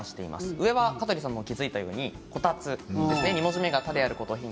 上が香取さんも気付いたようにこたつです。